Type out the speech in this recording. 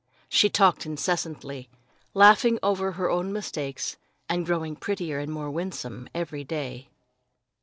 She talked incessantly, laughing over her own mistakes, and growing prettier and more winsome every day.